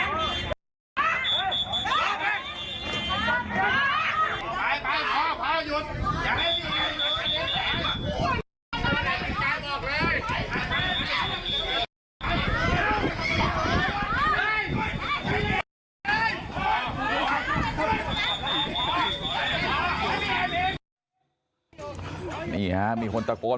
บอกอย่าใช้อาวุธนี่ก็เลยนี่เอามัดพี่นับมีตั้งมัดซังไป